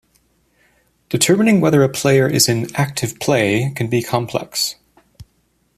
Determining whether a player is in "active play" can be complex.